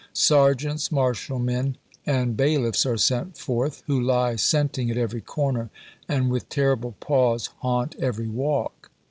Serjeants, marshalmen, and bailiffs are sent forth, who lie scenting at every corner, and with terrible paws haunt every walk.